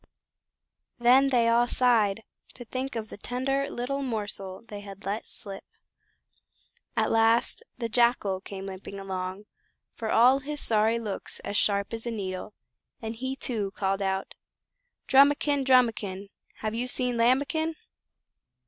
Then they all sighed to think of the tender little morsel they had let slip. At last the Jackal came limping along, for all his sorry looks as sharp as a needle, and he too called out "Drumikin! Drumikin! Have you seen Lambikin?"